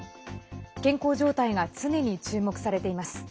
健康状態が常に注目されています。